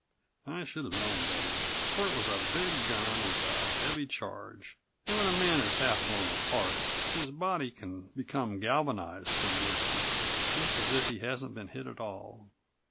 I should have known better, for it was a big gun with a heavy charge, and when a man is half blown apart his body can become galvanized for an instant, just as if he hasn't been hit at all.